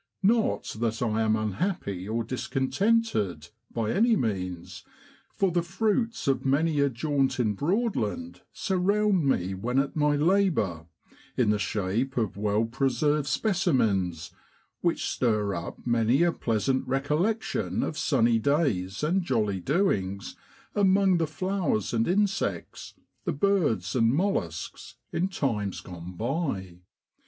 not that I am unhappy or discontented, by any means, for the fruits of many a jaunt in Broadland surround me when at my labour, in the shape of well preserved speci mens, which stir up many a pleasant recollection of sunny days and jolly doings among the flowers and insects, the birds and molluscs, in times gone by.